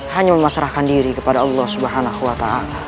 hanya memasrahkan diri kepada allah swt